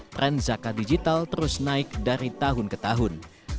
tren zakat digital terus naik dari tahun ke tahun